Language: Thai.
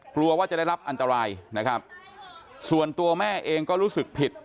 กลัวว่าจะได้รับอันตรายนะครับส่วนตัวแม่เองก็รู้สึกผิด